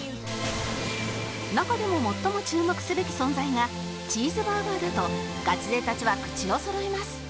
中でも最も注目すべき存在がチーズバーガーだとガチ勢たちは口をそろえます